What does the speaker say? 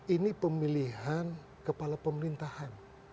ini pemilihan kepala pemerintahan